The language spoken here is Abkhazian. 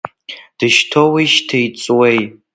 Дышьҭоуижьҭеи иҵуеи?